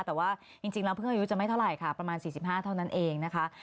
แต่ว่าจริงแล้วเพิ่งอายุจะไม่เท่าไหร่ค่ะประมาณ๔๕เท่านั้นเองนะคะ